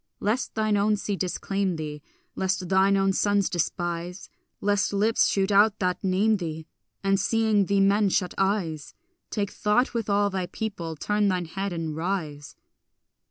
Lest thine own sea disclaim thee, Lest thine own sons despise, Lest lips shoot out that name thee And seeing thee men shut eyes, Take thought with all thy people, turn thine head and rise.